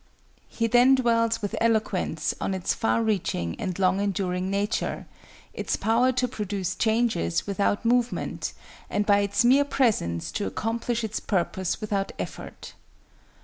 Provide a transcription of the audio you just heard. He then dwells with eloquence on its far reaching and long enduring nature, its power to produce changes without movement and by its mere presence to accomplish its purpose without effort.